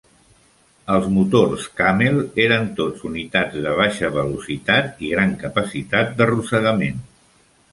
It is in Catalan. Els motors "Camel" eren tots unitats de baixa velocitat i gran capacitat d'arrossegament.